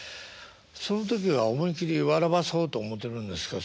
その時は思い切り笑わそうと思うてるんですか？